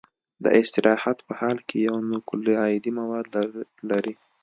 د استراحت په حال کې یو نوکلوئیدي مواد لري.